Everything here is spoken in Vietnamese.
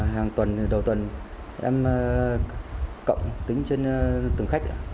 hàng tuần đầu tuần em cộng tính trên